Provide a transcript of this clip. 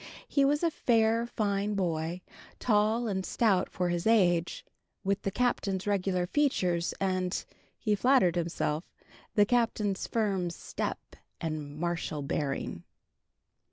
He was a fair, fine boy, tall and stout for his age, with the Captain's regular features, and (he flattered himself) the Captain's firm step and martial bearing.